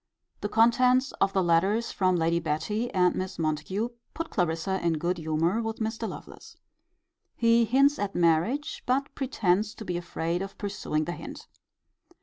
The contents of the letters from Lady Betty and Miss Montague put Clarissa in good humour with Mr. Lovelace. He hints at marriage; but pretends to be afraid of pursuing the hint.